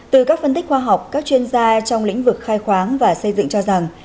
từ các phân tích khoa học các chuyên gia trong lĩnh vực khai khoáng và xây dựng cho rằng